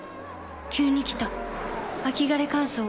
急に来た秋枯れ乾燥。